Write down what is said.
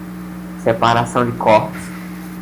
separação de corpos